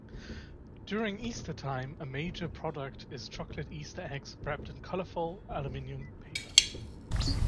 During Easter-time, a major product is chocolate Easter eggs wrapped in colorful aluminium paper.